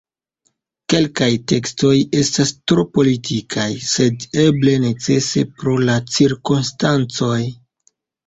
Kelkaj tekstoj estas tro politikaj, sed eble necese pro la cirkonstancoj.